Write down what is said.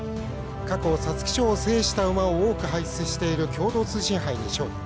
過去、皐月賞を制した馬を多く輩出している共同通信杯に勝利。